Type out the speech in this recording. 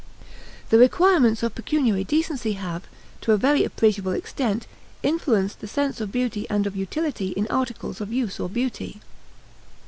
The requirements of pecuniary decency have, to a very appreciable extent, influenced the sense of beauty and of utility in articles of use or beauty.